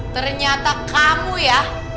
ternyata kamu ya